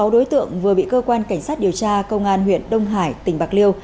sáu đối tượng vừa bị cơ quan cảnh sát điều tra công an huyện đông hải tỉnh bạc liêu